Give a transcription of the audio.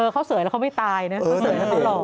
เขาเสยแล้วเขาไม่ตายนะเขาเสยได้ตลอด